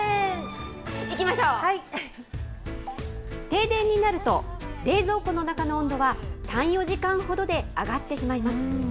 停電になると、冷蔵庫の中の温度は３、４時間ほどで上がってしまいます。